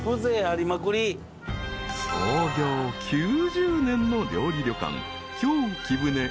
［創業９０年の料理旅館］